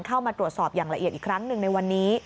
เข้ามาตรวจสอบอย่างละเอียดอีกครั้งหนึ่งในวันนี้